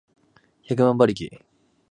百万馬力